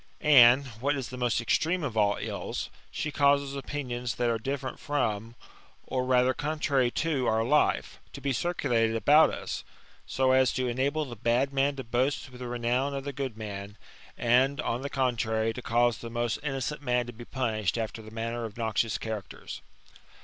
And, what is the most extreme of all ill^ she causes opinions that are different from, or rather contrary to our life, to be circulated about us : so as to enable the bad man to boast with the renown of the good man, and, on the contrary, to cause the most innocent man to be punished after the manner of noxious characters.